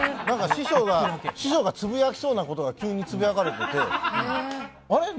師匠がつぶやきそうなことが急につぶやかれててあれ？